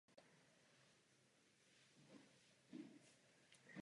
Celý objekt je chráněn jako kulturní památka České republiky.